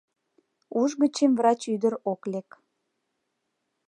Уш гычем врач ӱдыр ок лек.